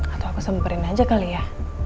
atau aku samperin aja kali ya